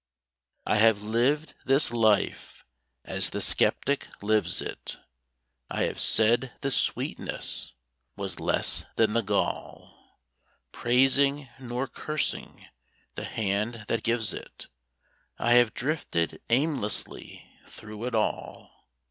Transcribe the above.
I have lived this life as the skeptic lives it; I have said the sweetness was less than the gall; Praising, nor cursing, the Hand that gives it, I have drifted aimlessly through it all.